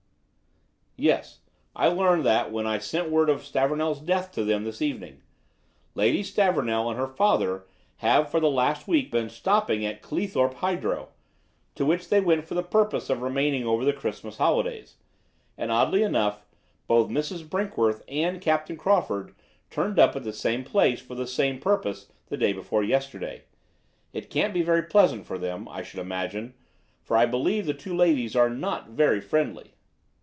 "Yes. I learned that when I sent word of Stavornell's death to them this evening. Lady Stavornell and her father have for the past week been stopping at Cleethorp Hydro, to which they went for the purpose of remaining over the Christmas holidays; and, oddly enough, both Mrs. Brinkworth and Captain Crawford turned up at the same place for the same purpose the day before yesterday. It can't be very pleasant for them, I should imagine, for I believe the two ladies are not very friendly."